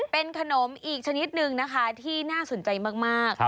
เป็นขนมอีกชนิดหนึ่งนะคะที่น่าสนใจมาก